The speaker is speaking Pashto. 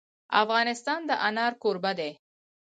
افغانستان د انار کوربه دی.